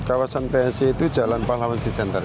kawasan psc itu jalan pahlawan